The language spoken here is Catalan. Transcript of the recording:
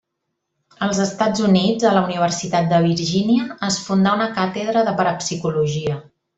Als Estats Units, a la Universitat de Virgínia, es fundà una càtedra de parapsicologia.